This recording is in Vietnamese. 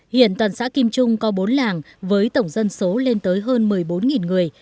hiện toàn xã kim trung có bốn làng với tổng dân số lên tới hơn một mươi bốn người